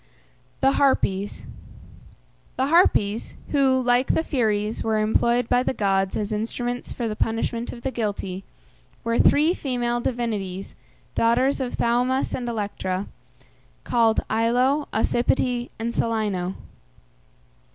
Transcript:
THE HARPIES. The Harpies, who, like the Furies, were employed by the gods as instruments for the punishment of the guilty, were three female divinities, daughters of Thaumas and Electra, called Aello, Ocypete, and Celæno.